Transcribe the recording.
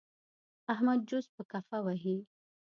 احمد چوس په کفه وهي.